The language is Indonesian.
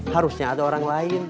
harusnya ada orang lain